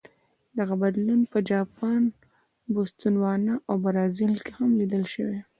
دغه بدلون په جاپان، بوتسوانا او برازیل کې هم لیدل شوی.